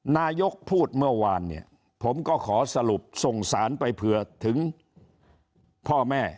นายกพูดเมื่อวานเนี่ยผมก็ขอสรุปส่งสารไปเผื่อถึงพ่อแม่